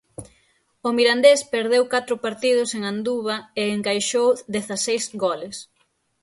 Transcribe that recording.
O Mirandés perdeu catro partidos en Anduva e encaixou dezaseis goles.